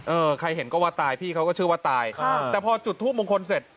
เออใครเห็นก็ว่าตายพี่เขาก็เชื่อว่าตายค่ะแต่พอจุดทูปมงคลเสร็จ